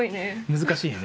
難しいよね。